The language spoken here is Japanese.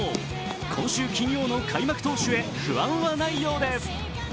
今週金曜の開幕投手へ不安はないようです。